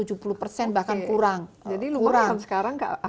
jadi lumayan sekarang akurasiannya